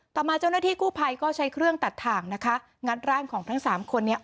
ต่อมาเจ้าหน้าที่กู้ภัยก็ใช้เครื่องตัดถ่างนะคะงัดร่างของทั้งสามคนนี้